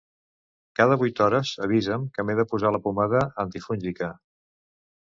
Cada vuit hores avisa'm que m'he de posar la pomada antifúngica.